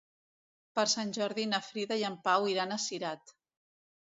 Per Sant Jordi na Frida i en Pau iran a Cirat.